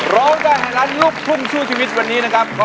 เราจะหลัดลูกคุณสู้ชีวิตวันนี้นะครับ